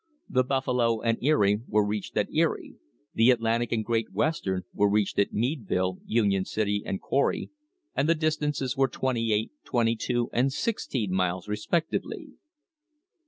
The Buf falo and Erie was reached at Erie. The Atlantic and Great Western was reached at Meadville, Union City and Corry, and the distances were twenty eight, twenty two and sixteen miles, respectively.